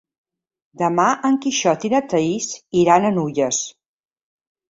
Demà en Quixot i na Thaís iran a Nulles.